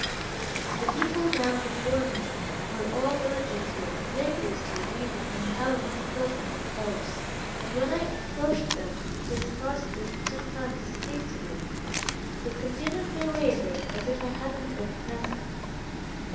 The people now before me, were all diligently and laboriously weeding and hilling the cotton with hoes, and when I approached them, they scarcely took time to speak to me, but continued their labor as if I had not been present.